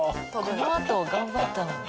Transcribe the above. このあと頑張ったのに。